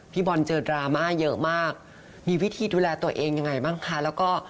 พี่บอลเจอดราม่าเยอะมากมีวิธีดูแลตัวเองยังไงบ้างคะแล้วก็